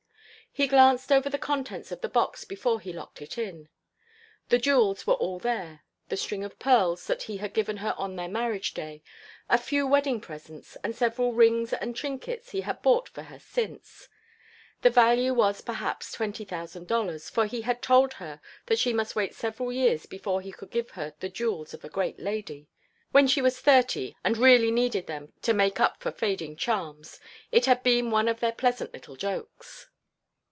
He had glanced over the contents of the box before he locked it in. The jewels were all there, the string of pearls that he had given her on their marriage day, a few wedding presents, and several rings and trinkets he had bought for her since. The value was perhaps twenty thousand dollars, for he had told her that she must wait several years before he could give her the jewels of a great lady. When she was thirty, and really needed them to make up for fading charms it had been one of their pleasant little jokes.